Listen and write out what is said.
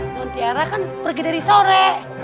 tuhan tiara kan pergi dari sore